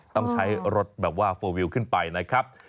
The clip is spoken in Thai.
ต้องใช้รถแบบว่าเฟอร์วิลขึ้นไปนะครับ